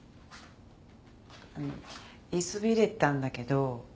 あの言いそびれたんだけど。